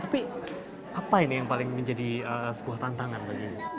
tapi apa ini yang paling menjadi sebuah tantangan bagi